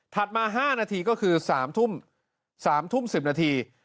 ถัดมา๕นาทีก็คือ๓ทุ่ม๑๐นาที